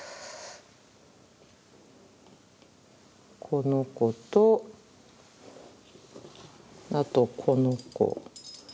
この子とあとこの子。